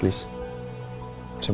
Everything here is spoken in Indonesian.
adik saya yang meninggal